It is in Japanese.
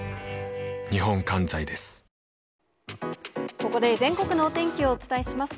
ここで全国のお天気をお伝えします。